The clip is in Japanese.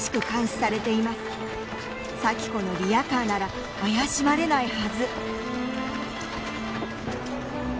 サキ子のリヤカーなら怪しまれないはず